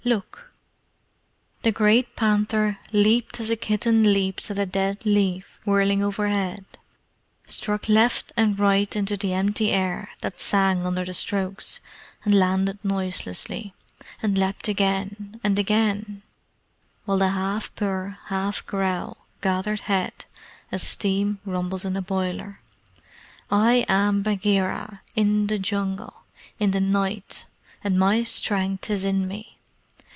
Look!" The great panther leaped as a kitten leaps at a dead leaf whirling overhead, struck left and right into the empty air, that sang under the strokes, landed noiselessly, and leaped again and again, while the half purr, half growl gathered head as steam rumbles in a boiler. "I am Bagheera in the jungle in the night, and my strength is in me.